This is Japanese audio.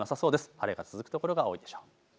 晴れが続く所が多いでしょう。